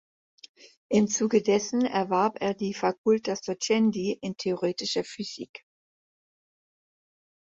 Im Zuge dessen erwarb er die Facultas Docendi in theoretischer Physik.